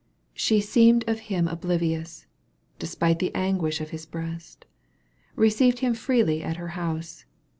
She seemed of him oblivious, \ Despite the anguish of his breast, Eeceived him freely at her house.